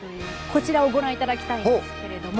こちらをご覧いただきたいんですけれども。